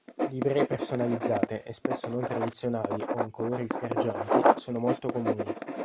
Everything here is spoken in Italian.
Livree personalizzate e spesso non tradizionali o in colori sgargianti sono molto comuni.